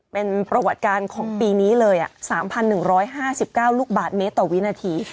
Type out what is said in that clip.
เป็นประวัติการณ์ของปีนี้เลยอ่ะสามพันหนึ่งร้อยห้าสิบเก้าลูกบาทเมตรต่อวินาที